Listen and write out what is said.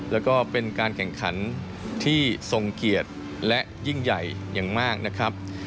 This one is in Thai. แล้วก็เป็นการแข่งขันที่ทรงเกียรติและยิ่งใหญ่อย่างมากนะครับ